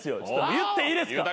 言っていいですか？